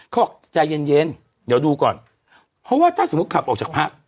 เขาบอกใจเย็นเย็นเดี๋ยวดูก่อนเพราะว่าถ้าสมมุติขับออกจากพัก